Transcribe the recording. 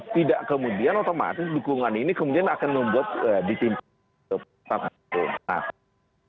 tidak kemudian otomatis dukungan ini kemudian akan membuat disimpan